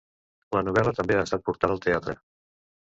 La novel·la també ha estat portada al teatre.